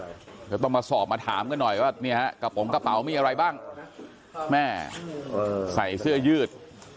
ก็ต้องมาสอบมาถามกันหน่อยว่าเนี่ยฮะกระโปรงกระเป๋ามีอะไรบ้างแม่ใส่เสื้อยืด